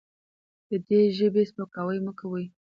د دې ژبې سپکاوی مه کوئ.